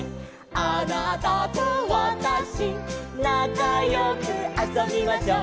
「あなたとわたし」「なかよくあそびましょう」